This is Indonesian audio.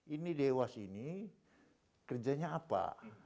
ini dewa sini kerjanya apa